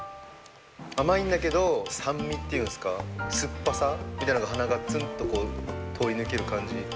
甘いんだけど酸味っていうんすか酸っぱさみたいなのが鼻からツンとこう通り抜ける感じ。